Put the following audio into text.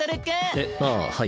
えっああはい。